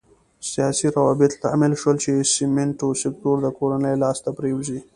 سیاسي روابط لامل شول چې سمنټو سکتور د کورنیو لاس ته پرېوځي.